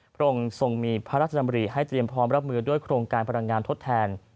พระองค์ทรงมีพระราชดำริให้เตรียมพร้อมรับมือด้วยโครงการพลังงานทดแทน